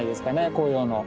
紅葉の。